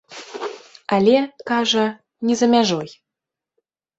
Але, кажа, не за мяжой.